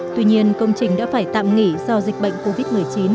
tuy nhiên công trình đã phải tạm nghỉ do dịch bệnh covid một mươi chín